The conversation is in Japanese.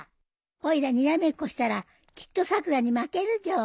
おいらにらめっこしたらきっとさくらに負けるじょ。